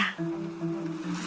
terima kasih aku akan menari denganmu